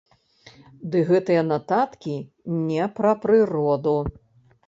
Ды гэтыя нататкі не пра прыроду.